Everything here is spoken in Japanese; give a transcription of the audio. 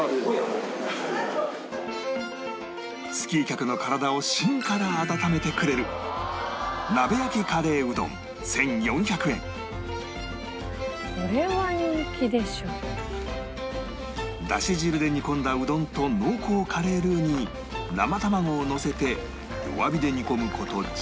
スキー客の体を芯から温めてくれるだし汁で煮込んだうどんと濃厚カレールーに生卵をのせて弱火で煮込む事１０分